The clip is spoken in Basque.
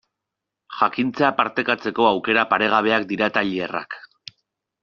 Jakintza partekatzeko aukera paregabea dira tailerrak.